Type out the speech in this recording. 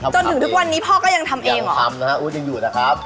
จนถึงทุกวันนี้พ่อก็ยังทำเองเหรอทำนะฮะอู๊ดยังอยู่นะครับ